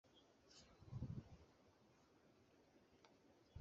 w i Babuloni kandi uyu murwa uzatwikwa ari wowe